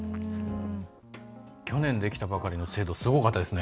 去年、できたばかりの聖堂すごかったですね。